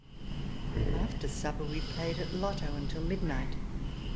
After supper we played at lotto until midnight.